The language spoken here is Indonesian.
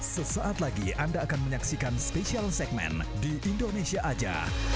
sesaat lagi anda akan menyaksikan spesial segmen di indonesia aja